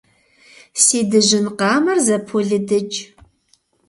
Си дыжьын къамэр зыполыдыкӏ.